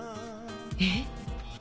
えっ？